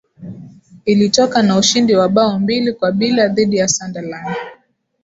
ilitoka na ushindi wa bao mbili kwa bila dhidi ya sunderland